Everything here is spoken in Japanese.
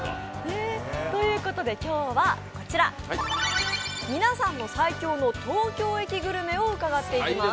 ということで、今日は、皆さんの最強の東京駅を伺っています。